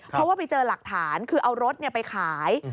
เพราะว่าไปเจอหลักฐานคือเอารถไปขาย